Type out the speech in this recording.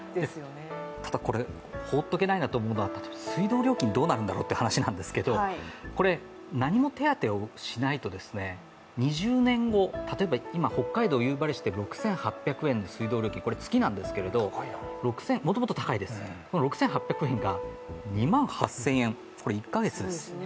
ただ、これ、放っておけないなと思うのは水道料金どうなるんだろうという話なんですがこれ何も手当てをしないと２０年後例えば今、北海道の夕張市６８００円の水道料金、これ月なんですけれどももともと高いです、この６８００円が２万８０００円、１か月です。